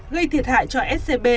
gây thiệt hại cho scb